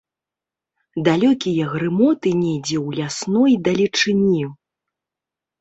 Далёкія грымоты недзе ў лясной далечыні.